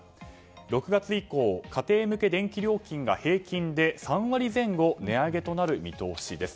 ６月以降、家庭向け電気料金が平均で３割前後値上げとなる見通しです。